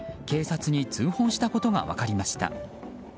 警察に通報したことが分かりました。